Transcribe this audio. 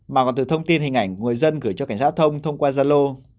mà còn từ thông tin hình ảnh người dân gửi cho cảnh sát hạ thông thông qua gia lô